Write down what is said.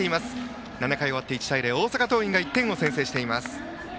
７回終わって１対０大阪桐蔭が１点リードしています。